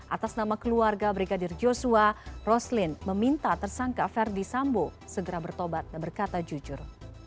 atas nama keluarga brigadir joshua roslin meminta tersangka ferdi sambo segera bertobat dan berkata jujur